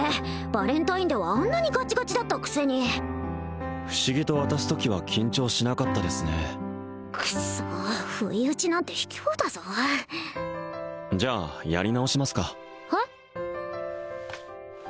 バレンタインではあんなにガチガチだったくせに不思議と渡すときは緊張しなかったですねくそ不意打ちなんて卑怯だぞじゃあやり直しますかえっ？